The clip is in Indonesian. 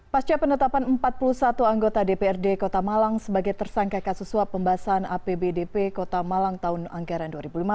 pasca penetapan empat puluh satu anggota dprd kota malang sebagai tersangka kasus suap pembahasan apbdp kota malang tahun anggaran dua ribu lima belas